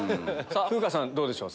風花さんどうでしょう？